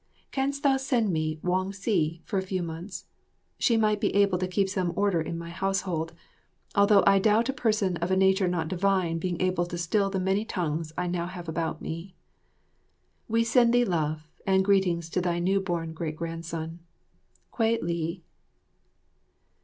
Canst thou send me Wong si for a few months? She might be able to keep some order in my household, although I doubt a person of a nature not divine being able to still the many tongues I have now about me. We send thee love, and greetings to thy new born great grandson. Kwei li.